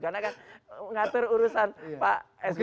karena kan ngatur urusan pak sbe